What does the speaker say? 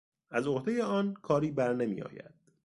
از عهدهی آن کاری برنمیآید.